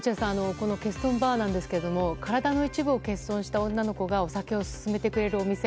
この欠損バーなんですけれども体の一部を欠損した女の子がお酒を勧めてくれるお店。